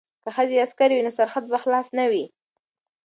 که ښځې عسکرې وي نو سرحد به خلاص نه وي.